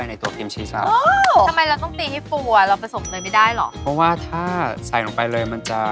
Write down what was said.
ใส่หมดเลย